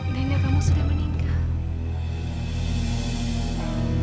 nenek kamu sudah meninggal